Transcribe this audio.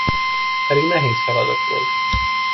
Pedig nehéz feladat volt.